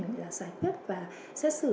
giải quyết và xét xử